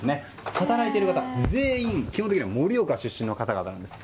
働いている方全員基本的には盛岡出身の方々なんです。